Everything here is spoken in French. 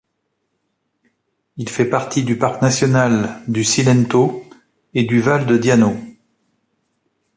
Il fait partie du parc national du Cilento et du Val de Diano.